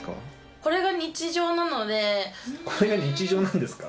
これが日常なんですか？